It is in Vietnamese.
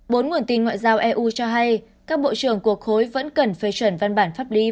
bốn nguồn tin ngoại giao eu cho hay các bộ trưởng của khối vẫn cần phê chuẩn văn bản pháp lý